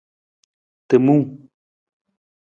Timung.